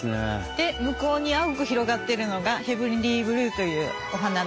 で向こうに青く広がってるのがヘブンリーブルーというお花なんです。